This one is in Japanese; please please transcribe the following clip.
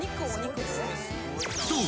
［そう。